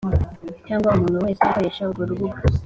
cyangwa umuntu wese ukoresha urwo rubuga